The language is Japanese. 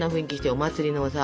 お祭りのさ。